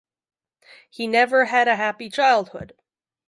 He never had a happy childhood.